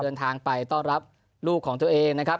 เดินทางไปต้อนรับลูกของตัวเองนะครับ